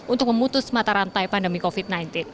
untuk memutus mata rantai pandemi covid sembilan belas